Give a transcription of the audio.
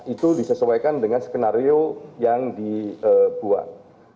itu disesuaikan dengan skenario yang dibuat